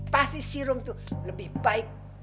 pasti si rum itu lebih baik